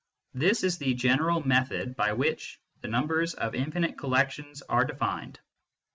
This is the general method by which the numbers of infinite collections are defined.